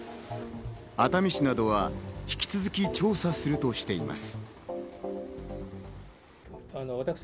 熱海市などは引き続き調査するとしています。